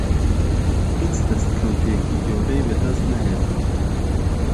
هیچ دهستکهوتێکی گهورهی بهدهست نههێناوه